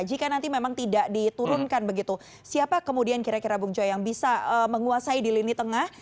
jika nanti memang tidak diturunkan begitu siapa kemudian kira kira bung joy yang bisa menguasai di lini tengah